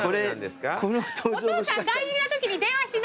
お父さん大事なときに電話しないでよ。